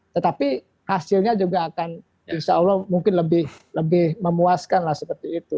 tetapi hasilnya juga akan insya allah mungkin lebih memuaskan lah seperti itu